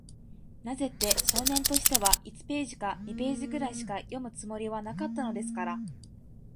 なぜって、少年としては、一ページか二ページぐらいしか読むつもりはなかったのですから。